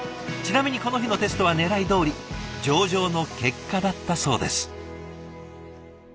ちなみにこの日のテストはねらいどおり上々の結果だったそうです。